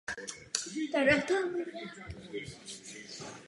Od té doby sloužil především u tankových vojsk.